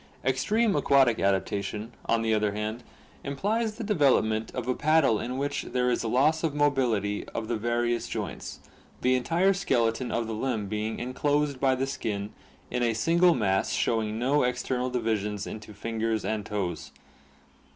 Extreme aquatic adaptation, on the other hand, implies the de velopment of a paddle in which there is a loss of mobility of the various joints, the entire skeleton of the limb being enclosed by 330 ORGANIC EVOLUTION the skin in a single mass showing no external divisions into fingers and toes.